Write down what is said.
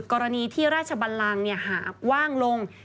กรณีที่ราชบันลังหากว่างลง